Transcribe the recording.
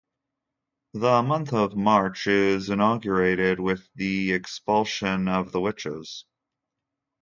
The month of March is inaugurated with the expulsion of the witches.